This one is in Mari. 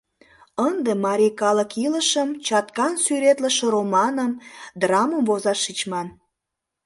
Ынде марий калык илышым чаткан сӱретлыше романым, драмым возаш шичман...